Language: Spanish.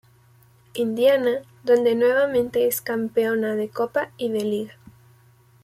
Indiana donde nuevamente es campeona de copa y de liga.